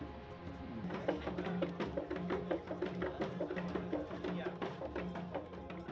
jadi itu adalah suci